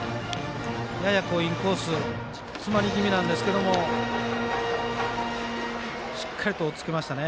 ややインコース詰まり気味なんですけどしっかりと、おっつけましたね。